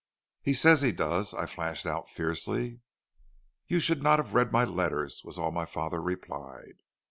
"'He says he does,' I flashed out fiercely. "'You should not have read my letters,' was all my father replied.